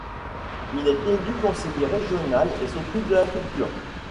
Il est élu conseiller régional et s'occupe de la culture.